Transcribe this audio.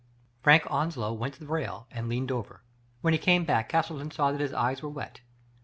Frank Onslow went to the rail, and leaned over. When he came back Castleton saw that his eyes were wet.